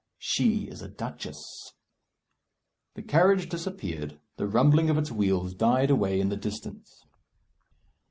She is a duchess." The carriage disappeared: The rumbling of its wheels died away in the distance.